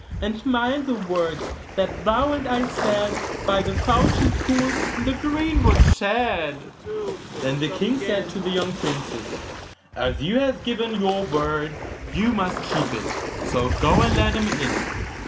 And mind the words that thou and I said By the fountain cool, in the greenwood shade.' Then the king said to the young princess, 'As you have given your word you must keep it; so go and let him in.